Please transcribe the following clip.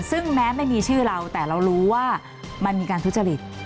ซึ่งแม้ไม่มีชื่อเราแต่เรารู้ว่ามันมีการทุจริต